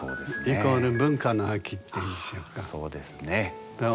イコール文化の秋っていうんでしょうか。